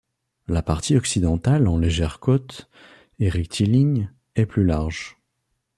La partie occidentale en légère côte et rectiligne est plus large.